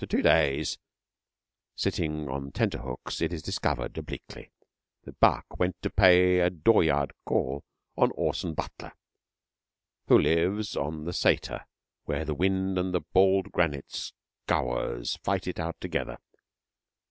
After two days' sitting on tenter hooks it is discovered, obliquely, that Buck went to pay a door yard call on Orson Butler, who lives on the saeter where the wind and the bald granite scaurs fight it out together.